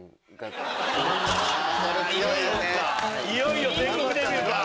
いよいよ全国デビューか！